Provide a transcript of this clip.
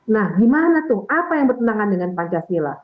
nah gimana tuh apa yang bertentangan dengan pancasila